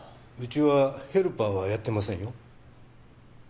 うちはヘルパーはやってませんよ。